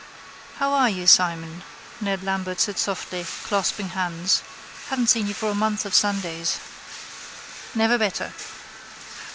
—How are you, Simon? Ned Lambert said softly, clasping hands. Haven't seen you for a month of Sundays. —Never better.